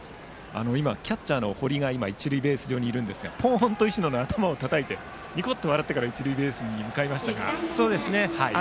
今、キャッチャーの堀が一塁ベース寄りにいるんですがポンと石野の頭をたたきながらニコッと笑ってから一塁ベースに向かいました。